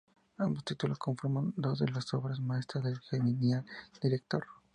Ambos títulos conforman dos de las obras maestras del genial director.